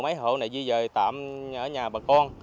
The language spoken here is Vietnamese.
có mấy hộ này duy dời tạm ở nhà bà con